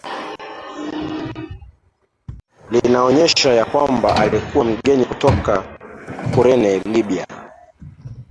linaonyesha ya kwamba alikuwa mgeni kutoka Kurene Libia